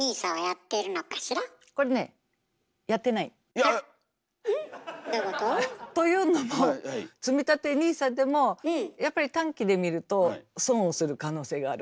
どういうこと？というのもつみたてＮＩＳＡでもやっぱり短期で見ると損をする可能性がある。